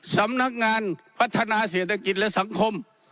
สำนักงานพัฒนาเศรษฐกิจและสังคม